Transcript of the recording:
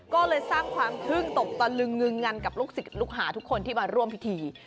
ก็เลยสร้างความทรึงกับลูกสิบลูกหาทุกคนที่มาร่วมพิธี